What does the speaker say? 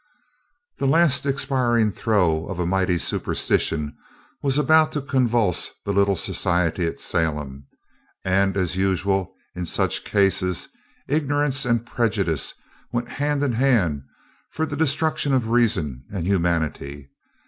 The last expiring throe of a mighty superstition was about to convulse the little society at Salem, and, as usual in such cases, ignorance and prejudice went hand in hand for the destruction of reason and humanity.